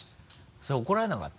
それ怒られなかった？